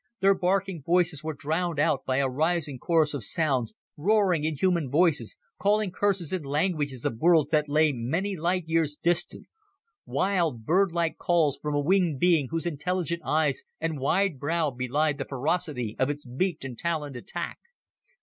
Their barking voices were drowned out by a rising chorus of sounds roaring, inhuman voices, calling curses in languages of worlds that lay many light years distant wild, birdlike calls from a winged being whose intelligent eyes and wide brow belied the ferocity of its beaked and taloned attack.